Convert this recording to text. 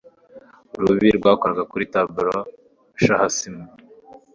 urubibi rwakoraga kuri taboru, shahasima